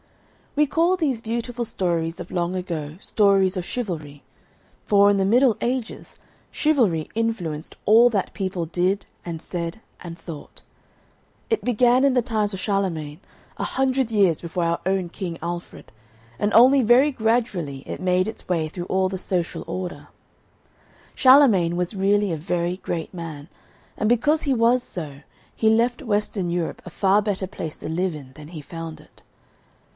We call these beautiful stories of long ago Stories of Chivalry, for, in the Middle Ages, chivalry influenced all that people did and said and thought. It began in the times of Charlemagne, a hundred years before our own King Alfred, and only very gradually it made its way through all the social order. Charlemagne was really a very great man, and because he was so, he left Western Europe a far better place to live in than he found it.